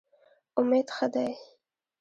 امید ښه دی.